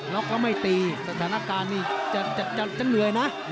็อกแล้วไม่ตีสถานการณ์นี่จะเหนื่อยนะ